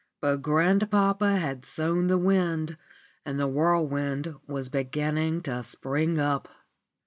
But grandpapa had sown the wind and the whirlwind was beginning to spring up.